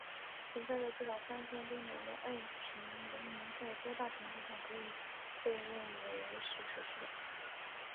存在了至少三千多年的爱琴文明在多大程度上可以被认为是持续的？